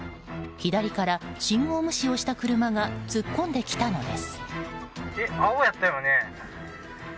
左から、信号無視をした車が突っ込んできたのです。